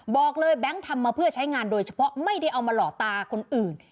บอกเลยแบงค์ทำมาเพื่อใช้งานโดยเฉพาะไม่ได้เอามาหล่อตาคนอื่น